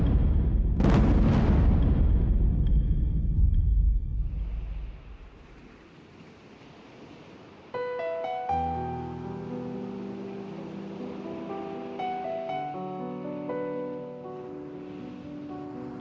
aku raising ribu